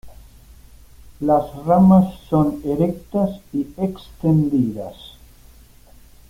Las ramas son erectas y extendidas.